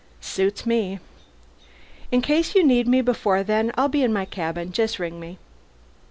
"Suits me." "In case you need me before then, I'll be in my cabin. Just ring me."